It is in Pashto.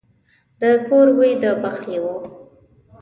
د کور بوی د پخلي وو.